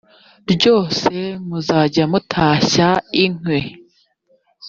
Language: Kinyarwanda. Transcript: ryose muzajya mutashya inkwi